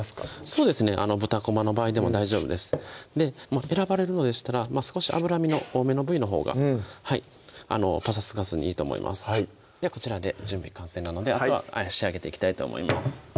そうですね豚こまの場合でも大丈夫です選ばれるのでしたら少し脂身の多めの部位のほうがぱさつかずにいいと思いますではこちらで準備完成なのであとは仕上げていきたいと思います